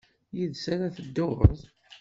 Yid-s ara ad tedduḍ?